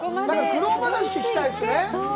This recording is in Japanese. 苦労話聞きたいですね。